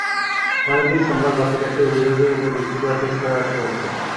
পরের দিন সোমবার বাকি চারটি অভিযোগের ওপর যুক্তি দেওয়া শেষ করে রাষ্ট্রপক্ষ।